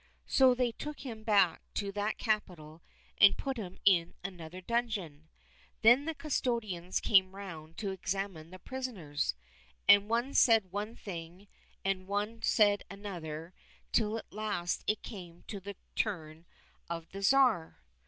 So they took him back to that capital and put him in another dungeon. Then the custodians came round to examine the prisoners, and one said one thing and one said another, till at last it came to the turn of the Tsar.